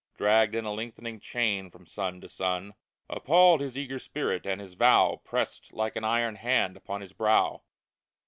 Dragged in a lengthening chain from sun to sun, Appalled his eager spirit, and his vow Pressed like an iron hand upon his brow.